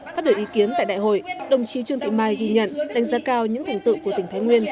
phát biểu ý kiến tại đại hội đồng chí trương thị mai ghi nhận đánh giá cao những thành tựu của tỉnh thái nguyên